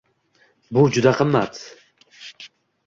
Bu juda qimmat.